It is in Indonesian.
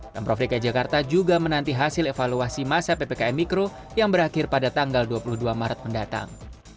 pemprov dki jakarta juga menanti hasil evaluasi masa ppkm mikro yang berakhir pada tanggal dua puluh dua maret mendatang